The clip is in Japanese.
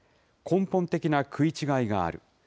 根本的な食い違いがある。